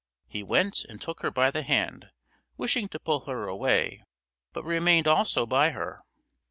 He went and took her by the hand, wishing to pull her away, but remained also by her.